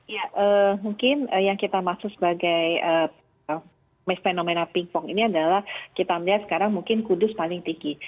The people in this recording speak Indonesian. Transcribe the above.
ya mungkin yang kita maksud sebagai fenomena pingpong ini adalah kita melihat sekarang mungkin kudus paling tinggi